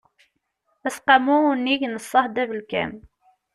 aseqqamu unnig n ṣṣehd abelkam